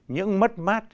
những mất mát